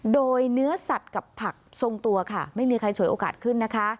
โดยเนื้อสัตว์กับผักทรงตัวค่ะไม่มีใครฉวยโอกาสขึ้นนะคะ